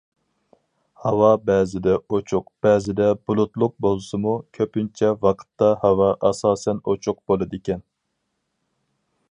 ھاۋا بەزىدە ئوچۇق بەزىدە بۇلۇتلۇق بولسىمۇ، كۆپىنچە ۋاقىتتا ھاۋا ئاساسەن ئوچۇق بولىدىكەن.